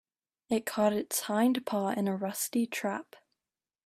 It caught its hind paw in a rusty trap.